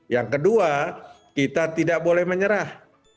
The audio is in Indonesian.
yang kedua kita tidak boleh menyerah